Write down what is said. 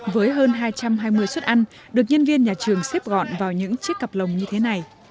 với hơn hai trăm hai mươi suất ăn được nhân viên nhà trường xếp gọn vào những chiếc cặp lồng như thế này